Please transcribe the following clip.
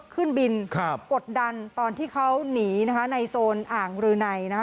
ขึ้นบินครับกดดันตอนที่เขาหนีนะคะในโซนอ่างรืนัยนะคะ